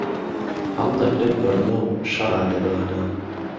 ههڵدهگرم بڕنهو شهڕه له بانه